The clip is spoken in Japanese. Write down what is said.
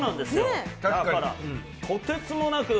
とてつもなく。